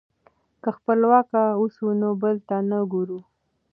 که خپلواک اوسو نو بل ته نه ګورو.